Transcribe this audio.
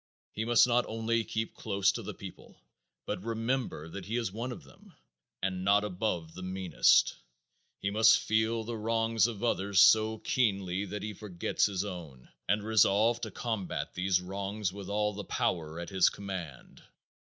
He must not only keep close to the people but remember that he is one of them, and not above the meanest. He must feel the wrongs of others so keenly that he forgets his own, and resolve to combat these wrongs with all the power at his command.